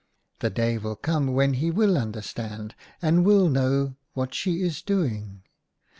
The day will come when he will understand, and will know what she is doing.